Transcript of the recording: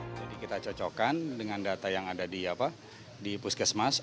jadi kita cocokkan dengan data yang ada di puskesmas